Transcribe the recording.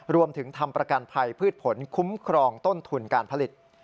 ทำประกันภัยพืชผลคุ้มครองต้นทุนการผลิต